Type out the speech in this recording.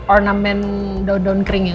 ornament daun daun keringnya